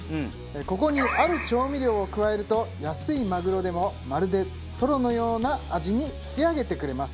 ここにある調味料を加えると安いマグロでもまるでトロのような味に引き上げてくれます。